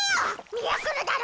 ミラクルだろ。